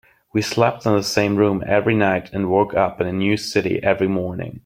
We slept in the same room every night and woke up in a new city every morning.